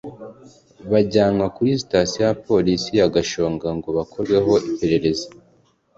bajyanwa kuri sitasiyo ya Polisi ya Gashonga ngo bakorweho iperereza